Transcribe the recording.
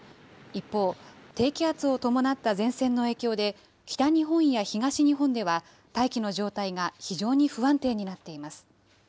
一方、低気圧を伴った前線の影響で、北日本や東日本では大気の状態が非常に不安定になっています。